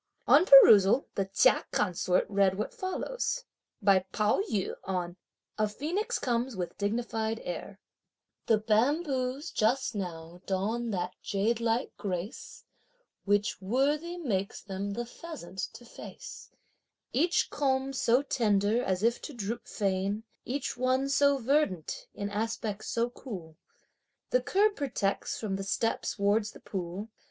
On perusal, the Chia Consort read what follows. By Pao yü, on: "A phoenix comes with dignified air:" The bamboos just now don that jadelike grace, Which worthy makes them the pheasant to face; Each culm so tender as if to droop fain, Each one so verdant, in aspect so cool, The curb protects, from the steps wards the pool.